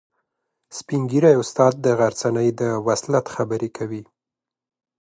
سپین ږیری استاد د غرڅنۍ د وصلت خبره کوي.